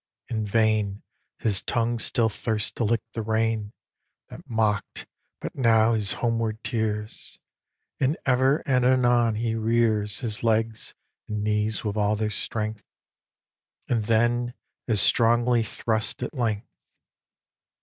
In vain His tongue still thirsts to lick the rain, That mock'd but now his homeward tears; And ever and anon he rears His legs and knees with all their strength, And then as strongly thrusts at length.